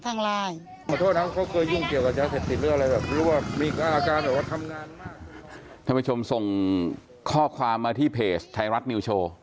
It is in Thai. ท่านผู้ชมส่งข้อความมาที่เพจไทยรัฐนิวโชว์